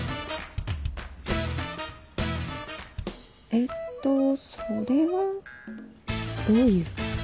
えっとそれはどういう？